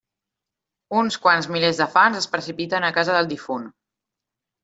Uns quants milers de fans es precipiten a casa del difunt.